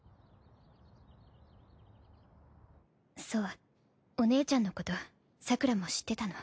そうお姉ちゃんのことさくらも知ってたの。